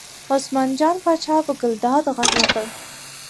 عثمان جان پاچا په ګلداد غږ وکړ.